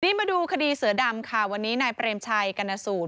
นี่มาดูคดีเสือดำค่ะวันนี้นายเปรมชัยกรณสูตร